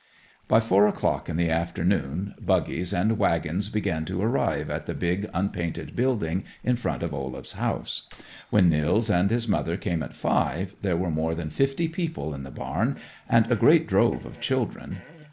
By four o'clock in the afternoon buggies and wagons began to arrive at the big unpainted building in front of Olaf's house. When Nils and his mother came at five, there were more than fifty people in the barn, and a great drove of children.